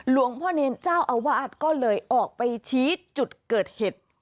หลวงพ่อเนรเจ้าอาวาสก็เลยออกไปชี้จุดเกิดเหตุ